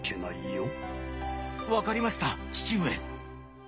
分かりました父上。